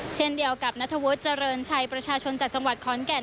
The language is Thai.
เช่นเดียวกับนัทวุฒิเจริญชัยประชาชนจากจังหวัดขอนแก่น